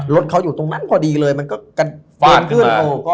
รถเขาอยู่ตรงนั้นพอดีเลยมันก็กระฟาดขึ้น